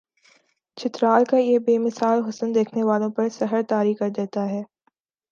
چترال کا یہ بے مثال حسن دیکھنے والوں پر سحر طاری کردیتا ہے